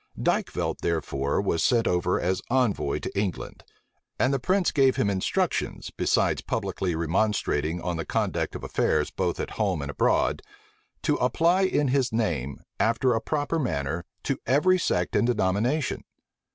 * D'Avaux, 21st of January, 1687. Burnet. Dykvelt therefore was sent over as envoy to England; and the prince gave him instructions, besides publicly remonstrating on the conduct of affairs both at home and abroad, to apply in his name, after a proper manner, to every sect and denomination.